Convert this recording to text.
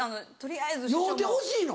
酔うてほしいの？